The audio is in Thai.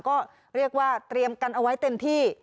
ก็เรียกว่าเตรียมกันเอาไว้เต็มที่